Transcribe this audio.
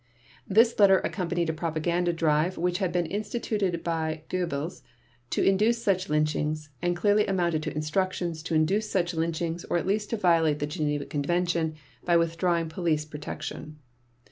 This letter accompanied a propaganda drive which had been instituted by Goebbels to induce such lynchings, and clearly amounted to instructions to induce such lynchings or at least to violate the Geneva Convention by withdrawing any police protection.